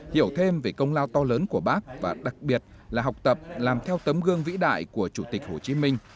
hiểu thêm về công lao to lớn của bác và đặc biệt là học tập làm theo tấm gương vĩ đại của chủ tịch hồ chí minh